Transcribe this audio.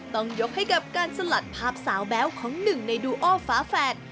ต้องยกให้กับการสลัดภาพสาวแบ๊วของหนึ่งในดูโอฟ้าแฝด